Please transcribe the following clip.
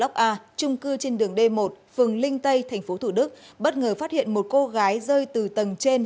lóc a trung cư trên đường d một phường linh tây tp hcm bất ngờ phát hiện một cô gái rơi từ tầng trên